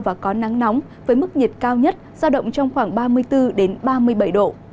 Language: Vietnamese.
và có nắng nóng với mức nhiệt cao nhất giao động trong khoảng ba mươi bốn ba mươi bảy độ